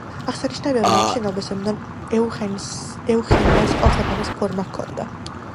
აღსანიშნავია, რომ ამ შენობას ზემოდან ეუხენიას ყელსაბამის ფორმა ჰქონდა.